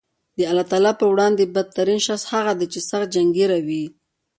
د الله تعالی په وړاندې بد ترین شخص هغه دی چې سخت جنګېره وي